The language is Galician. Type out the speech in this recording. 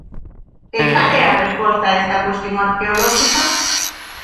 ¿E cal é a resposta a esta cuestión arqueolóxica?